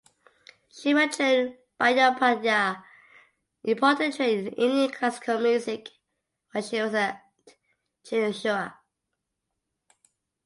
Shri Rajen Bandyopadhyay imparted training in Indian classical music while she was at Chinsurah.